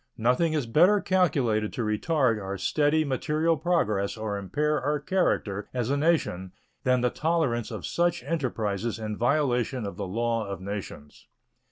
Nothing is better calculated to retard our steady material progress or impair our character as a nation than the toleration of such enterprises in violation of the law of nations.